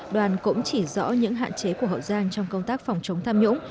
đoàn cũng chỉ rõ những hạn chế của hậu giang trong công tác phòng chống tham nhũng